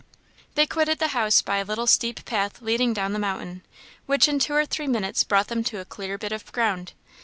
They quitted the house by a little steep path leading down the mountain, which in two or three minutes brought them to a clear bit of ground.